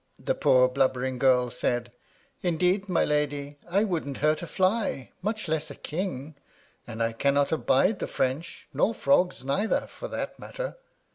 The poor, blubbering girl said, " Indeed, my lady, I wouldn't hurt a fly, much less a king, and I cannot abide the French, nor frogs neither, for that matter."